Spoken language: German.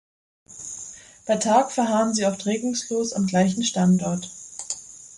Bei Tag verharren sie oft regungslos am gleichen Standort.